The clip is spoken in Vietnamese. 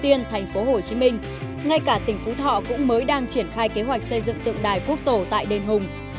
tượng hùng vương trong nhà tại hồ chí minh ngay cả tỉnh phú thọ cũng mới đang triển khai kế hoạch xây dựng tượng đài quốc tổ tại đền hùng